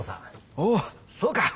おおそうか。